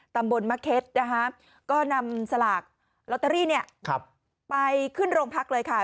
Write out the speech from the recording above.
ตำบลมะเข็ดนะคะก็นำสลากลอตเตอรี่เนี่ยไปขึ้นโรงพักเลยค่ะ